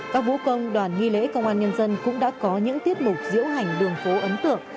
các vũ công đoàn nghi lễ công an nhân dân cũng đã có những tiết mục diễu hành đường phố ấn tượng